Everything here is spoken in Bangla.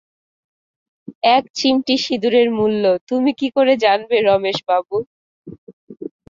এক চিমটি সিঁদুরের মূল্য, তুমি কী করে জানবে রমেশ বাবু?